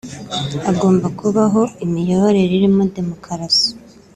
hagomba kubaho imiyoborere irimo demokarasi